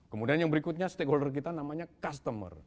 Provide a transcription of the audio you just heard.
kemudian yang berikutnya stakeholder kita namanya customer